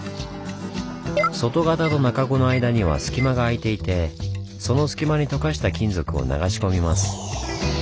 外型と中子の間には隙間が空いていてその隙間にとかした金属を流し込みます。